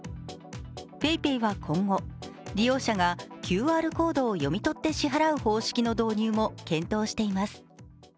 ＰａｙＰａｙは今後、利用者がＱＲコードを読み取って支払う方式の導入も検討しています。